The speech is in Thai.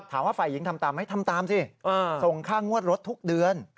ถามว่าฝ่ายหญิงทำตามไหมทำตามสิส่งค่างวดรถทุกเดือน